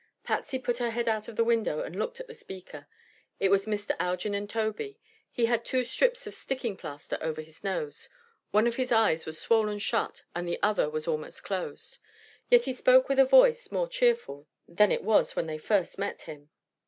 Patsy put her head out of the window and looked at the speaker. It was Mr. Algernon Tobey. He had two strips of sticking plaster over his nose. One of his eyes was swollen shut and the other was almost closed. Yet he spoke in a voice more cheerful than it was when they first met him.